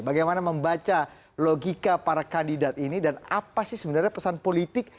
bagaimana membaca logika para kandidat ini dan apa sih sebenarnya pesan politik